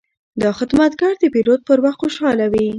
دا خدمتګر د پیرود پر وخت خوشحاله وي.